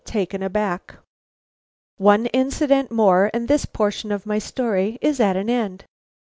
TAKEN ABACK. One incident more and this portion of my story is at an end.